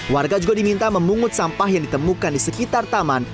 warga juga diminta memungut sampah yang ditemukan di sekitar taman